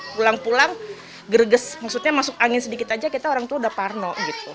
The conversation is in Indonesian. pulang pulang gereges maksudnya masuk angin sedikit aja kita orang tua udah parno gitu